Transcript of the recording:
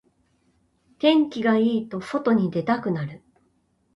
天気がいいと外に出たくなる